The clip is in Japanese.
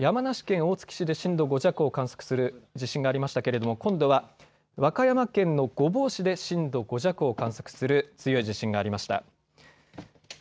けさ、関東地方、山梨県大月市で震度５弱を観測する地震がありましたけれども今度は和歌山県の御坊市で震度５弱を観測する強い地震がありました。